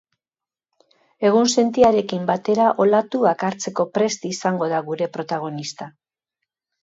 Egunsentiarekin batera olatuak hartzeko prest izango da gure protagonista.